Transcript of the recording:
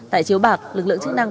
tại chiếu bạc lực lượng chức năng